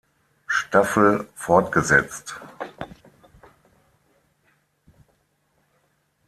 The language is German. Staffel fortgesetzt.